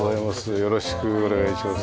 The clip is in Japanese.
よろしくお願いします。